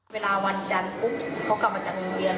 เวลาวันจันทร์ปุ๊บเขากลับมาจากโรงเรียน